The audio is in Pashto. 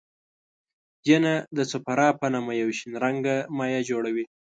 ینه د صفرا په نامه یو شین رنګه مایع جوړوي.